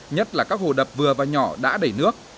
nhất là các hồ đập vừa và nhỏ đã đầy nước